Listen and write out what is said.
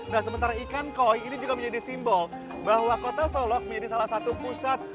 nah sementara ikan koi ini juga menjadi simbol bahwa kota solok menjadi salah satu pusat